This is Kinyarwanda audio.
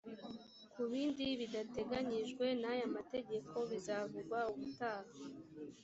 ku bindi bidateganyijwe n aya mategeko bizavugwa ubutaha